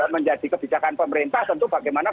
menjadi kebijakan pemerintah tentu bagaimana